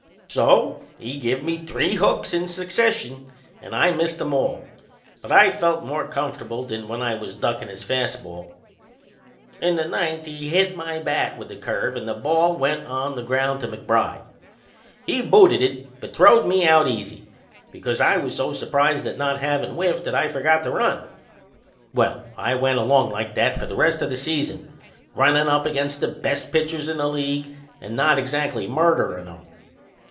So he give me three hooks in succession and I missed 'em all; but I felt more comf'table than when I was duckin' his fast ball. In the ninth he hit my bat with a curve and the ball went on the ground to McBride. He booted it, but throwed me out easy because I was so surprised at not havin' whiffed that I forgot to run! Well, I went along like that for the rest o' the season, runnin' up against the best pitchers in the league and not exactly murderin' 'em.